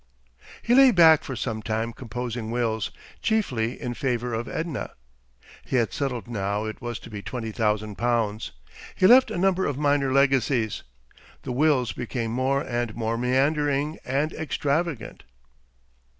He lay back for some time composing wills chiefly in favour of Edna. He had settled now it was to be twenty thousand pounds. He left a number of minor legacies. The wills became more and more meandering and extravagant....